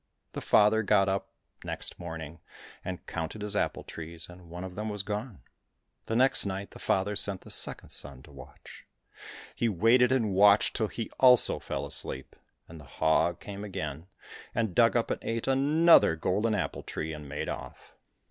The father got up next morning and counted his apple trees, and one of them was gone. The next night the father sent the second son to watch. He waited and watched till he also fell asleep, and the hog came again and dug up and ate another golden apple tree and made off.